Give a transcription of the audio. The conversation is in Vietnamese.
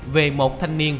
về một thanh niên